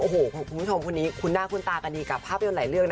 โอ้โหคุณผู้ชมคนนี้คุ้นหน้าคุ้นตากันดีกับภาพยนตร์หลายเรื่องนะ